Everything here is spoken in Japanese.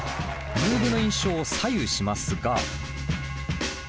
ムーブの印象を左右しますが。